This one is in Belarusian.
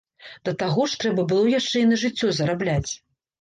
Да таго ж трэба было яшчэ і на жыццё зарабляць.